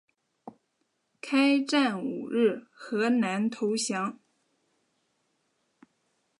开战五日荷兰投降。